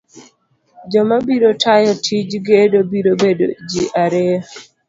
Joma biro tayo tij gedo biro bedo ji ariyo.